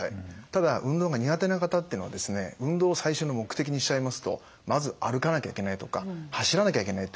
ただ運動が苦手な方っていうのは運動を最初の目的にしちゃいますとまず歩かなきゃいけないとか走らなきゃいけない